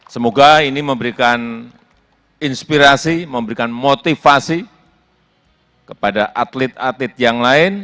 semoga ini memberikan inspirasi memberikan motivasi kepada atlet atlet yang lain